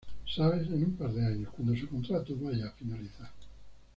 Sabes, en un par de años, cuando su contrato vaya a finalizar.